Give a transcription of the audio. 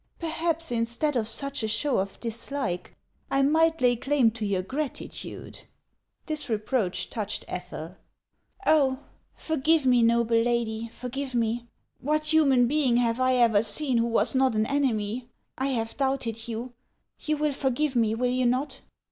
Perhaps, instead of such a show of dislike, I might lay claim to your gratitude." This reproach touched Ethel. HANS OF ICELAND. 373 " Ob, forgive me, noble lady, forgive me ! What bumaii being have 1 ever seen who was uot an enemy ? 1 have doubted you. You will forgive me, will you not